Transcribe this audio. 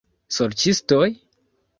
Sorĉistoj?